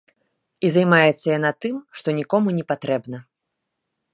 І займаецца яна тым, што нікому не патрэбна.